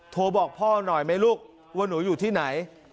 โทรบอกพ่อหน่อยไหมลูกว่าหนูอยู่ที่ไหน